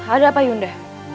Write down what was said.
ada apa yunda